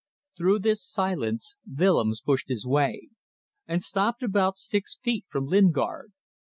Through this silence Willems pushed his way, and stopped about six feet from Lingard.